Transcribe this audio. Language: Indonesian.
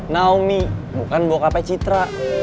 naomi bukan bokapai citra